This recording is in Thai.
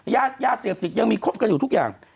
ยาเสพติดยังมีครบกันอยู่ทุกอย่าง